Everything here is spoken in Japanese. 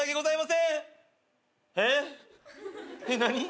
えっ？何？